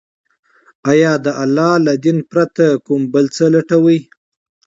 آيا د الله له دين پرته كوم بل څه لټوي،